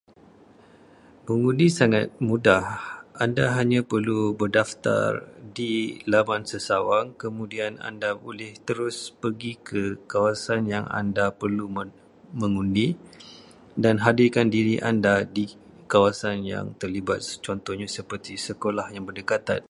Mengundi sangat mudah. Anda hanya perlu berdaftar di laman sesawang, kemudian anda boleh terus perlu pergi ke kawasan yang anda perlu meng- mengundi dan hadirkan diri anda di kawasan yang terlibat, contohnya di sekolah yang berdekatan.